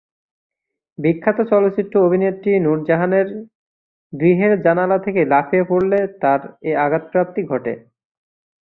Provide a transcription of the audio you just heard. বিখ্যাত চলচ্চিত্র অভিনেত্রী নূর জাহানের গৃহের জানালা থেকে লাফিয়ে পড়লে তার এ আঘাতপ্রাপ্তি ঘটে।